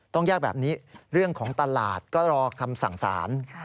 ต้องแยกแบบนี้เรื่องของตลาดก็รอคำสั่งสาร